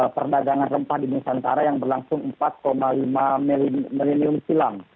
perdagangan rempah di nusantara yang berlangsung empat lima triliun silam